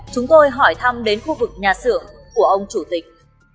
chúng tôi hỏi thăm đến khu vực nhà xưởng của ông chủ tịch